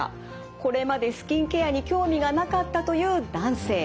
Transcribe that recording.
これまでスキンケアに興味がなかったという男性。